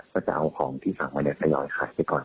ก็จะเอาของที่สั่งไว้เนี่ยทยอยขายไปก่อน